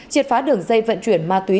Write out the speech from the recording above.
triệt phá đường dây vận chuyển ma túy